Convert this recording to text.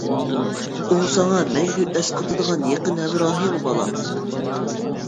ئۇ ساڭا مەڭگۈ ئەسقاتىدىغان يېقىن ھەمراھىڭ، بالام.